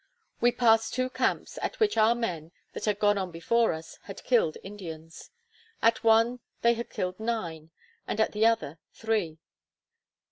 We passed two camps, at which our men, that had gone on before us, had killed Indians. At one they had killed nine, and at the other three.